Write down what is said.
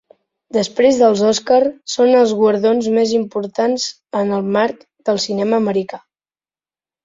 Després dels Oscar, són els guardons més importants en el marc del cinema americà.